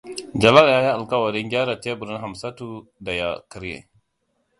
Jalal ya yi alkawarin gyara teburin Hamsatutu da ya karye.